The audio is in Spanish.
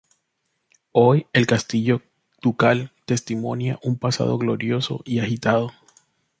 Hoy el castillo ducal testimonia un pasado glorioso y agitado.